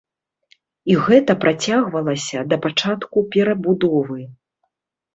І гэта працягвалася да пачатку перабудовы.